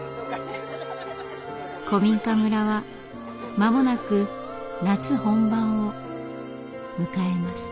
古民家村は間もなく夏本番を迎えます。